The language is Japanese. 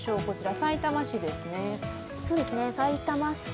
こちらさいたま市ですね。